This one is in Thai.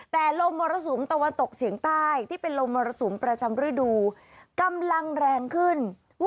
แต่ลมมรสุมตะวันตกเฉียงใต้ที่เป็นลมมรสุมประจำฤดูกำลังแรงขึ้น